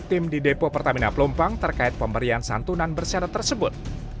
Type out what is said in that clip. tim di depo pertamina pelumpang terkait pemberian santunan bersyarat tersebut